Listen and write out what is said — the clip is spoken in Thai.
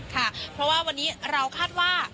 ค่ะเพราะว่าวันนี้เราคาดว่า